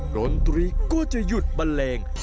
โรงตรีก็จะหยุดแปลง